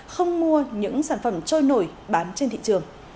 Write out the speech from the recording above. không mua những sản phẩm trôi nổi bán trên thị trường